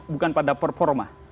bukan pada performa